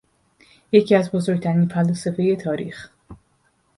یکی از بزرگترین فلاسفهٔ تاریخ